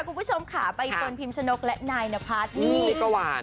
คุณผู้ชมค่ะใบเฟิร์นพิมชนกและนายนพัฒน์นี่ก็หวาน